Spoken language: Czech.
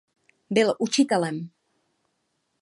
Byl učitelem.